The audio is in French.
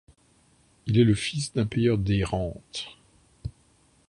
Il est le fils d'un payeur des Rentes.